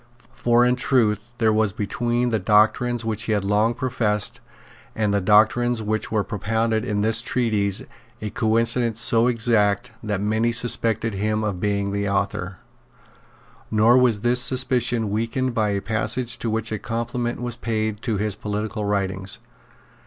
For in truth there was between the doctrines which he had long professed and the doctrines which were propounded in this treatise a coincidence so exact that many suspected him of being the author; nor was this suspicion weakened by a passage to which a compliment was paid to his political writings.